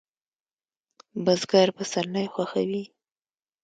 بزګر پسرلی خوښوي